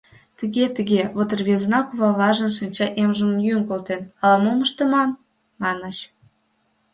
«Тыге-тыге, вот рвезына куваважын шинча эмжым йӱын колтен, ала-мом ыштыман?» — манын.